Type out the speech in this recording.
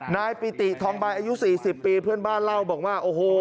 นายปิติทองใบอายุ๔๐ปีเพื่อนบ้านเล่าบอกว่าโอ้โห